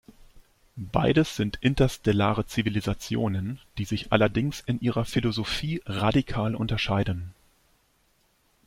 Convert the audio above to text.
Beides sind interstellare Zivilisationen, die sich allerdings in ihrer Philosophie radikal unterscheiden.